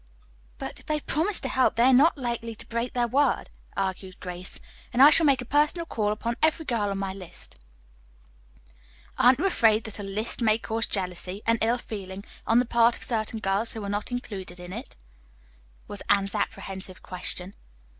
"But if they promise to help they are not likely to break their word," argued Grace, "and I shall make a personal call upon every girl on my list." "Aren't you afraid that a 'list' may cause jealousy and ill feeling on the part of certain girls who are not included in it?" was Anne's apprehensive question.